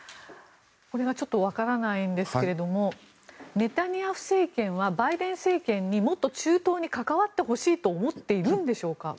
これはちょっとわからないんですがネタニヤフ政権はバイデン政権にもっと中東に関わってほしいと思っているんでしょうか。